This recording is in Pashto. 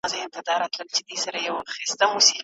هغه د خرما په خوړلو اخته دی.